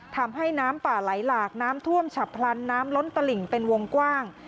ทำให้น้ำป่าไหลหลากน้ำท่วมฉับพลันน้ำล้นตลิ่งเป็นวงกว้าง